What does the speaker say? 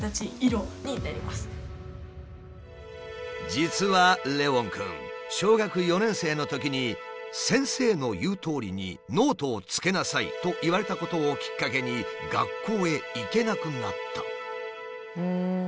実はレウォンくん小学４年生のときに「先生の言うとおりにノートをつけなさい」と言われたことをきっかけに学校へ行けなくなった。